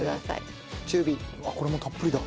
あっこれもたっぷりだ。